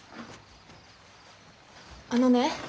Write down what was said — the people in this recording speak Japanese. あのね